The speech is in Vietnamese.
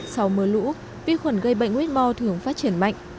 sau mưa lũ vi khuẩn gây bệnh quyết mò thường phát triển mạnh